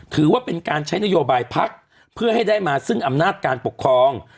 ถือว่าเป็นการใช้นโยบายพักเพื่อให้ได้มาซึ่งอำนาจการปกครอง